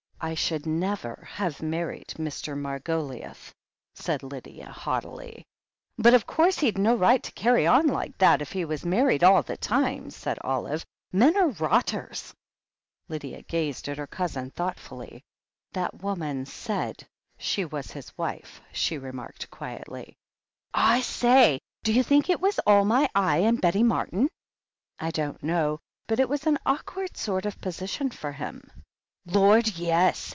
"I should never have married Mr. Margoliouth," said Lydia haughtily. "But of course he'd no right to carry on like that if he was married all the time," said Olive. "Men are rotters !" Lydia gazed at her cousin thoughtfully. "That woman said she was his wife," she remarked quietly. "I say! d'you think it was all my eye and Betty Martin?" "I don't know. But it was an awkward sort of position for him." "Lord, yes!"